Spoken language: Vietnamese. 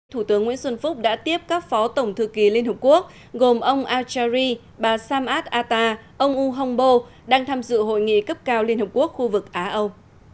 thủ tướng nguyễn xuân phúc đã tiếp các phó tổng thư kỳ liên hợp quốc gồm ông al jarri bà samad atta ông u hongbo đang tham dự hội nghị cấp cao liên hợp quốc khu vực á âu